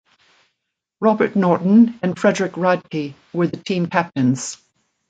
Robert Norton and Frederick Radke were the team captains.